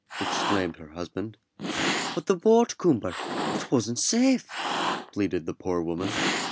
exclaimed her husband. "But the boat, Coomber, it wasn't safe," pleaded the poor woman.